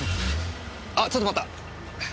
あちょっと待った。